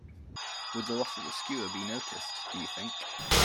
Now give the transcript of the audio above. Would the loss of a skewer be noticed, do you think?